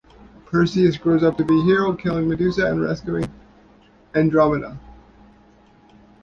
Perseus grows up to be a hero, killing Medusa and rescuing Andromeda.